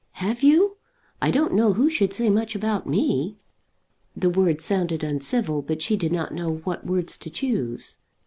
"Have you? I don't know who should say much about me." The words sounded uncivil, but she did not know what words to choose.